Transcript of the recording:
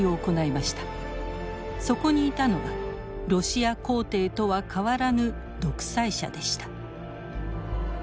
そこにいたのはロシア皇帝とは変わらぬ独裁者でした。